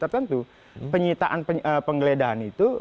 tentu penyitaan penggeledahan itu